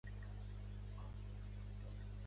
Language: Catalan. Per Sant Jordi na Farners anirà a Caudiel.